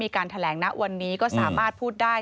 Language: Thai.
การแถลงณวันนี้ก็สามารถพูดได้